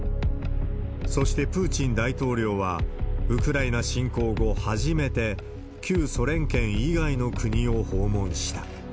そしてプーチン大統領は、ウクライナ侵攻後、初めて、旧ソ連圏以外の国を訪問した。